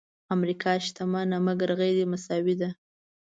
امریکا شتمنه مګر غیرمساوي ده.